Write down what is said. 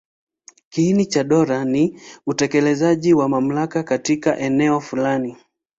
Kiini cha dola ni utekelezaji wa mamlaka katika eneo fulani.